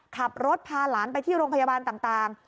ขับรถพาหลานไปที่โรงพยาบาลต่าง